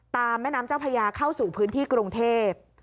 แม่น้ำเจ้าพญาเข้าสู่พื้นที่กรุงเทพ